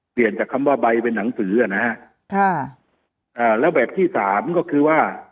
จากคำว่าใบเป็นหนังสืออ่ะนะฮะค่ะอ่าแล้วแบบที่สามก็คือว่า